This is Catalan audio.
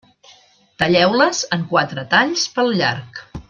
Talleu-les en quatre talls pel llarg.